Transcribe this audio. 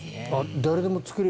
誰でも作れる？